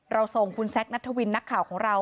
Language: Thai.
ส่งคุณแซคนัทวินนักข่าวของเรา